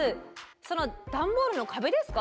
その段ボールの壁ですか？